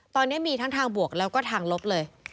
ตอนนี้มีทั้งทางบวกแล้วก็ทางลบเลย